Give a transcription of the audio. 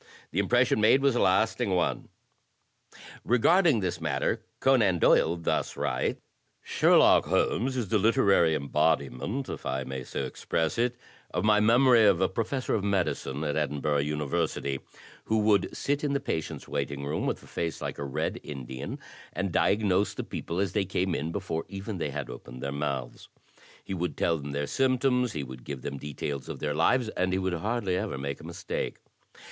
The impression made was a lasting one. Regarding this matter Conan Doyle thus writes: "Sherlock Holmes is the literary embodiment, if I may so express it, of my memory of a professor of medicine at APPLIED PRINCIPLES III Edinburgh University, who would sit in the patients' waiting room with a face like a red Indian, and diagnose the people as they came in before even they had opened their mouths. He would tell them their symptoms, he would give them details of their lives, and he would hardly ever make a mis take.